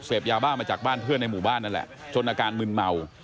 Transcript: ยาบ้ามาจากบ้านเพื่อนในหมู่บ้านนั่นแหละจนอาการมึนเมา